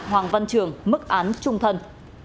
hoàng văn trường mức án trung thân